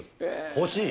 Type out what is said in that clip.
欲しい。